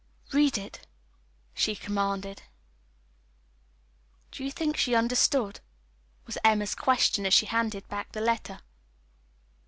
"Read it," she commanded. "Do you think she understood?" was Emma's question as she handed back the letter.